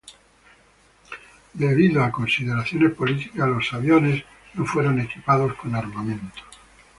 Debido a consideraciones políticas, la aviones no fueron equipados con armamento.